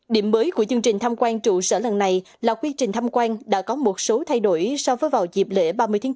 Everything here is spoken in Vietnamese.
điểm mới của chương trình tham quan trụ sở lần này là quy trình tham quan đã có một số thay đổi so với vào dịp lễ ba mươi tháng bốn